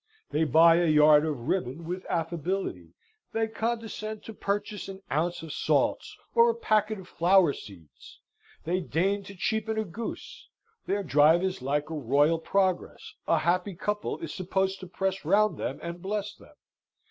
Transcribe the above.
They buy a yard of ribbon with affability; they condescend to purchase an ounce of salts, or a packet of flower seeds: they deign to cheapen a goose: their drive is like a royal progress; a happy people is supposed to press round them and bless them.